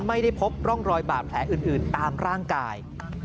ไม่ได้พบร่องรอยบาดแผลอื่นตามร่างกาย